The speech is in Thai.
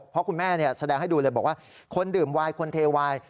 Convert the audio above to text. เพราะคุณแม่แสดงให้ดูเลยบอกว่าคนดื่มวายคนเทวาย